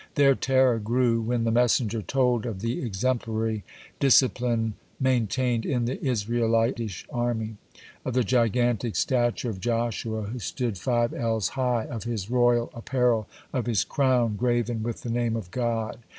Their terror grew when the messenger told of the exemplary discipline maintained in the Isrealitish army, of the gigantic stature of Joshua, who stood five ells high, of his royal apparel, of his crown graven with the Name of God.